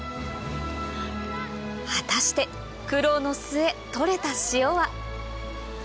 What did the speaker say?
果たして苦労の末取れた塩は？